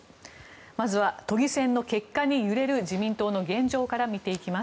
まずは都議選の結果に揺れる自民党の現状から見ていきます。